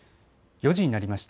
４時になりました。